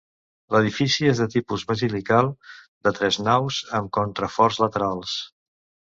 L'edifici és de tipus basilical, de tres naus, amb contraforts laterals.